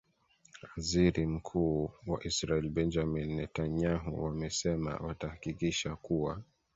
aziri mkuu wa israel benjamin netanyahu wamesema watahakikisha kuwa